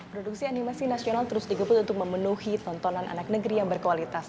produksi animasi nasional terus digeput untuk memenuhi tontonan anak negeri yang berkualitas